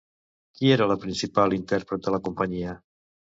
Qui era la principal intèrpret de la companyia?